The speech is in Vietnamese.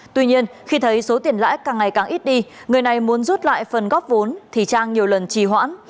tuy nhiên khi thấy số tiền lãi càng ngày càng ít đi người này muốn rút lại phần góp vốn thì trang nhiều lần trì hoãn